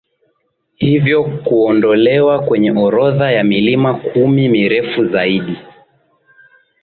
hivyo kuondolewa kwenye orodha ya milima kumi mirefu zaidi